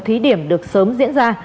thí điểm được sớm diễn ra